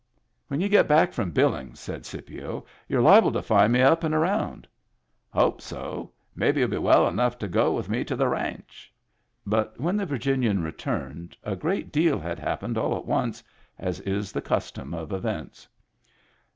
"When you get back from Billings," said Scipio, " youVe liable to find me up and around." " Hope so. Maybe you'll be well enough to go with me to the ranch." But when the Virginian returned, a great deal had happened all at once, as is the custom of events.